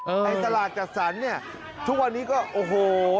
ไอ้สลากจัดสรรเนี่ยทุกวันนี้ก็โอ้โห